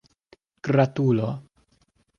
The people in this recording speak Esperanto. gratulo